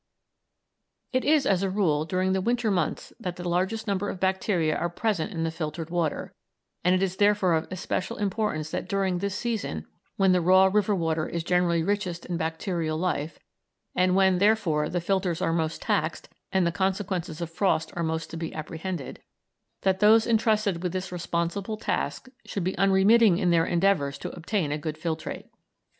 It is, as a rule, during the winter months that the largest number of bacteria are present in the filtered water, and it is therefore of especial importance that during this season, when the raw river water is generally richest in bacterial life, and when, therefore, the filters are most taxed and the consequences of frost are most to be apprehended, that those entrusted with this responsible task should be unremitting in their endeavours to obtain a good filtrate.